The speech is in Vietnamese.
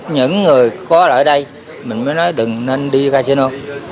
những người ở đây mình mới nói đừng nên đi casino